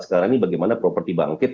sekarang ini bagaimana properti bangkit